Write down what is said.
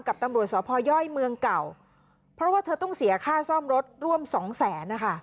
กับตำรวจสพย่อยเมืองเก่าเพราะว่าเธอต้องเสียค่าซ่อมรถร่วมสองแสนนะคะ